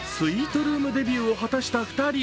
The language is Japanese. スイートルームデビューを果たした２人。